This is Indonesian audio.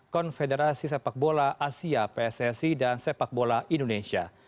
konfederasi sepak bola asia pssi dan sepak bola indonesia